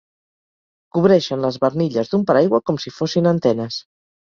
Cobreixen les barnilles d'un paraigua com si fossin antenes.